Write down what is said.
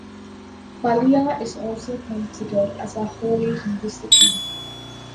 Ballia is also considered as a holy Hindu city.